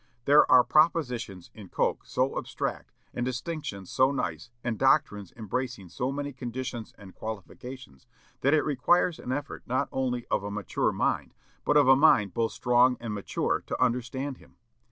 There are propositions in Coke so abstract, and distinctions so nice, and doctrines embracing so many conditions and qualifications, that it requires an effort not only of a mature mind, but of a mind both strong and mature, to understand him."